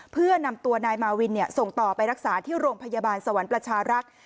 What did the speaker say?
เพื่อนำตัวนายมาวินส่งต่อไปรักษาที่โรงพยาบาลสวรรค์ประชารักษ์